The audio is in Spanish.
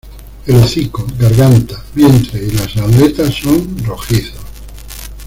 El hocico, garganta, vientre y las aletas son rojizos.